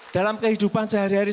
dalam kehidupan sehari hari